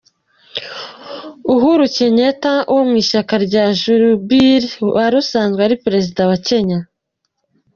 Uhuru Kenyatta wo mu ishyaka rya Jubilee wari usanzwe ari Perezida wa Kenya